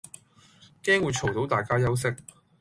驚會嘈到大家休息